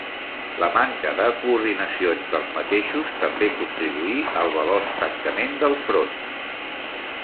La manca de coordinació entre els mateixos també contribuí al veloç tancament del front.